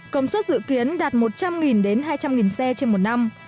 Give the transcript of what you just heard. công suất dự kiến đạt một trăm linh đến hai trăm linh xe trên một năm